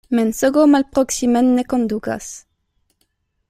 Mensogo malproksimen ne kondukas.